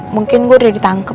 mungkin gue udah ditangkep